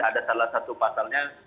ada salah satu pasalnya